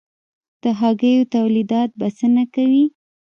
د هګیو تولیدات بسنه کوي؟